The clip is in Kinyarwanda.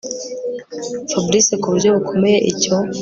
fabric kuburyo bukomeye icyo